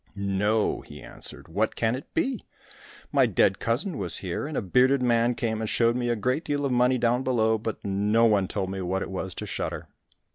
"No," he answered; "what can it be? My dead cousin was here, and a bearded man came and showed me a great deal of money down below, but no one told me what it was to shudder."